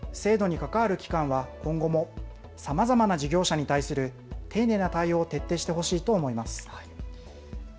国税庁をはじめ制度に関わる機関は今後もさまざまな事業者に対する丁寧な対応を徹底してほしいと思います。